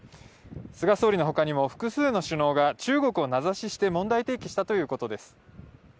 菅総理の他にも複数の首脳が中国を名指しして問題提起したということです。